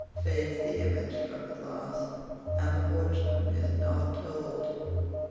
Fades the image from the glass, And the fortune is not told.